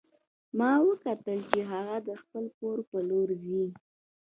ما وکتل چې هغه د خپل کور په لور ځي